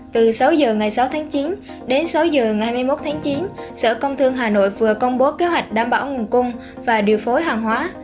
từ sáu h ngày sáu tháng chín đến sáu giờ ngày hai mươi một tháng chín sở công thương hà nội vừa công bố kế hoạch đảm bảo nguồn cung và điều phối hàng hóa